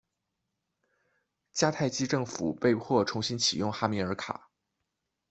迦太基政府被迫重新起用哈米尔卡。